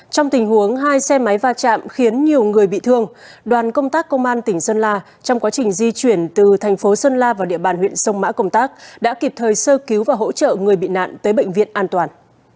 trong tình huống hai xe máy va chạm khiến nhiều người bị thương đoàn công tác công an tỉnh sơn la trong quá trình di chuyển từ thành phố sơn la vào địa bàn huyện sông mã công tác đã kịp thời sơ cứu và hỗ trợ người bị nạn tới bệnh viện an toàn